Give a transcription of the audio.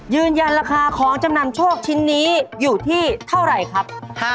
ยืนยันราคาของจำนำโชคชิ้นนี้อยู่ที่เท่าไหร่ครับ